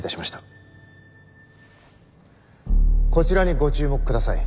こちらにご注目ください。